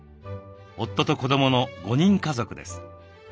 夫と子どもの５人家族です。